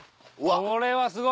これはすごい！